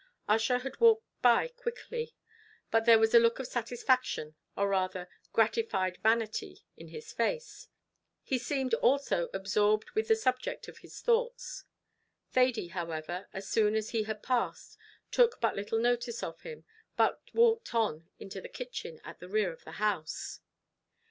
Ussher had walked by quickly, and there was a look of satisfaction or rather gratified vanity in his face; he seemed, also, absorbed with the subject of his thoughts; Thady, however, as soon as he had passed, took but little notice of him, but walked on into the kitchen, at the rear of the house.